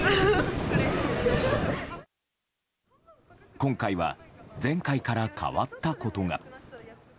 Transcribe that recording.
今回は前回から変わったことが。